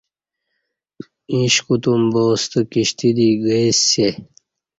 ایݩݜ کوتوم با ستہ کِشتی دی گئی سئے